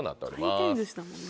回転寿司だもんな。